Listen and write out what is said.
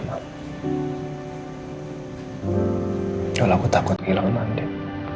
kalau aku takut hilang andin